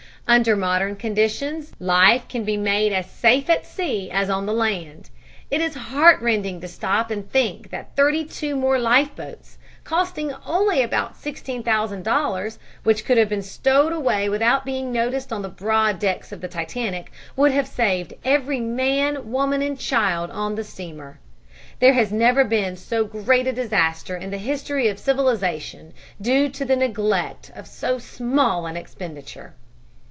Under modern conditions life can be made as safe at sea as on the land. It is heartrending to stop and think that thirty two more life boats, costing only about $16,000, which could have been stowed away without being noticed on the broad decks of the Titanic, would have saved every man, woman and child on the steamer. There has never been so great a disaster in the history of civilization due to the neglect of so small an expenditure.